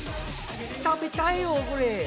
食べたいよこれ！